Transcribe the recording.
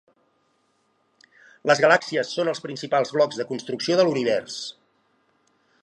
Les galàxies són els principals blocs de construcció de l’univers.